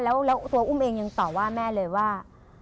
แล้วตัวอุ้มเองยังตอบว่าแม่เลยว่า